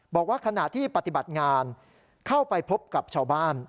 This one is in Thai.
บอกว่าขณะที่ปฏิบัติงานเข้าไปพบกับชาวบ้าน